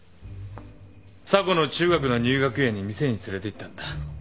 査子の中学の入学祝いに店に連れていったんだ。